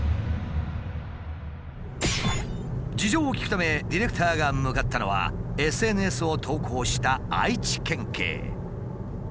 事情を聞くためディレクターが向かったのはＳＮＳを投稿した愛知県警。